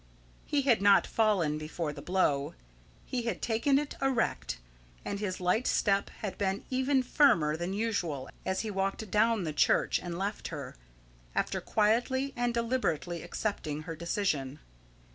He had not fallen before the blow. He had taken it erect, and his light step had been even firmer than usual as he walked down the church and left her, after quietly and deliberately accepting her decision.